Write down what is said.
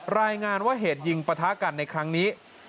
รายงานว่าเหตุยิงปะทะกันในครั้งนี้